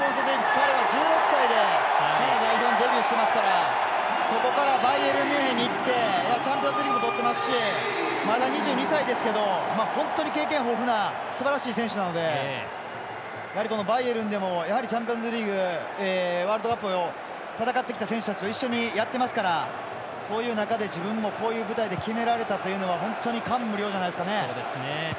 彼は１６歳で代表にデビューしていますからそこからバイエルンミュンヘンにいってチャンピオンズリーグも取ってますしまだ２２歳ですけど本当に経験豊富なすばらしい選手なのでバイエルンでもチャンピオンズリーグワールドカップを戦ってきた選手たちと一緒にやってますから自分も、こういう舞台で決められたというのは本当に感無量じゃないでしょうかね。